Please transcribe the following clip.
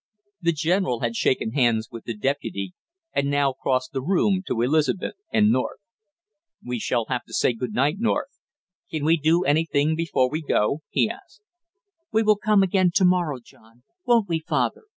The general had shaken hands with the deputy and now crossed the room to Elizabeth and North. "We shall have to say good night, North. Can we do anything before we go?" he asked. "We will come again to morrow, John, won't we, father?"